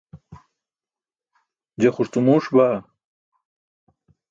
je xurcumuuṣ baa